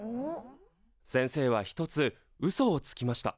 先生は一つうそをつきました。